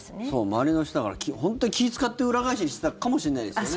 周りの人は本当に気使って裏返しにしてたかもしれないですよね。